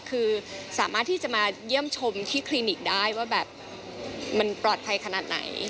คือสามารถที่จะมาเยี่ยมชมที่คลินิกได้ว่าแบบมันปลอดภัยขนาดไหน